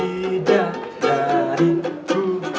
besok jangan lupa ya kak